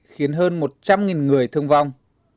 khiến hơn một trăm linh người thương vong